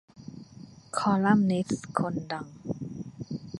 คอลัมนิสต์คนดัง